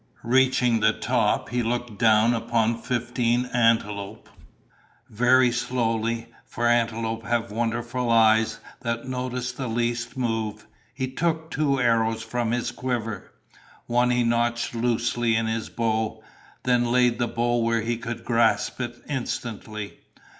Reaching the top, he looked down upon fifteen antelope. Very slowly, for antelope have wonderful eyes that notice the least move, he took two arrows from his quiver. One he nocked loosely in his bow, then laid the bow where he could grasp it instantly.